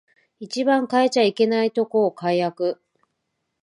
一番変えちゃいけないとこを改悪